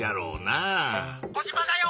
「コジマだよ！」。